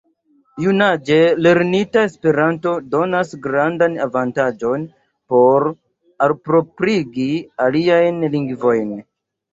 Junaĝe lernita Esperanto donas grandan avantaĝon por alproprigi aliajn lingvojn.